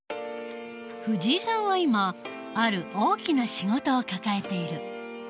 藤井さんは今ある大きな仕事を抱えている。